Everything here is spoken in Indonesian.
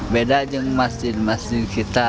beda dengan masjid masjid kita